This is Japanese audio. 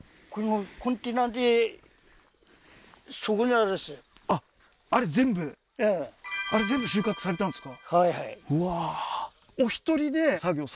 あっあれ全部収穫されたんですか？